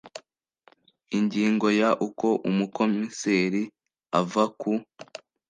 ingingo ya uko umukomiseri ava ku